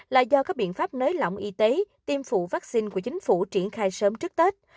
là do các biện pháp nới lỏng y tế tiêm phụ vaccine của chính phủ triển khai sớm trước tết